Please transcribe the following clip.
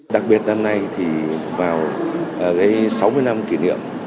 đặc biệt năm nay thì vào sáu mươi năm kỷ niệm